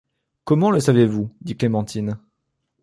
Comment le savez-vous? dit Clémentine.